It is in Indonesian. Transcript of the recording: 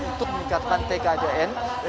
untuk meningkatkan tkdn